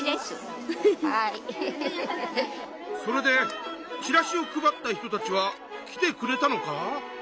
それでチラシを配った人たちは来てくれたのか？